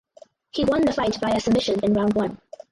He won the fight via submission in round one.